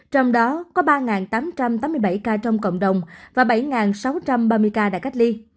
trong đó có ba tám trăm tám mươi bảy ca trong cộng đồng và bảy sáu trăm ba mươi ca đã cách ly